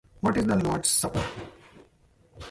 What is the Lord’s Supper?